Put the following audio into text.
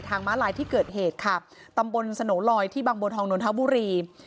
ม้าลายที่เกิดเหตุค่ะตำบลสโนลอยที่บางบัวทองนนทบุรี